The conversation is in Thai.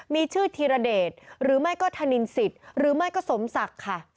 มีชื่อธีรเดชหรือไม่ก็ธนินสิทธิ์หรือไม่ก็สมศักดิ์ค่ะ